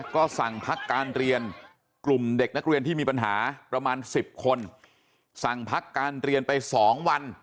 ก็สั่งพักการเรียนกลุ่มเด็กนักเรียนที่มีปัญหาประมาณ๑๐คนสั่งพักการเรียนไป๒วัน